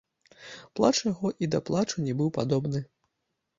Плач яго і да плачу не быў падобны.